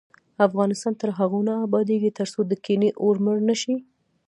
افغانستان تر هغو نه ابادیږي، ترڅو د کینې اور مړ نشي.